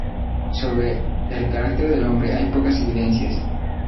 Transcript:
Sobre el carácter del hombre, hay pocas evidencias.